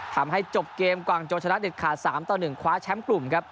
ทำให้จบเกมกวางโจชนะเด็ดขาด๓ต่อ๑คว้าแชมป์กลุ่มครับ